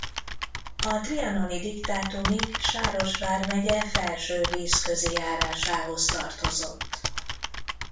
A trianoni diktátumig Sáros vármegye Felsővízközi járásához tartozott.